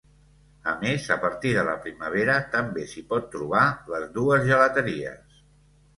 A més a partir de la primavera també s'hi pot trobar les dues gelateries.